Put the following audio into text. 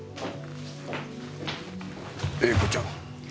詠子ちゃん。